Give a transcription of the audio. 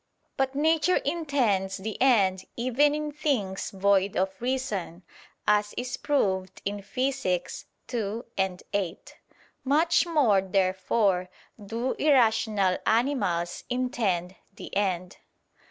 But nature intends the end even in things void of reason, as is proved in Phys. ii, 8. Much more, therefore, do irrational animals intend the end.